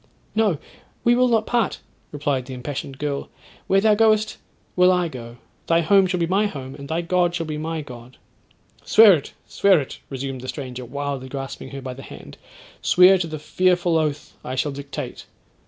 '—'No, we will not part,' replied the impassioned girl; 'where thou goest, will I go; thy home shall be my home; and thy God shall be my God.'—'Swear it, swear it,' resumed the stranger, wildly grasping her by the hand; 'swear to the fearful oath I shall dictate.'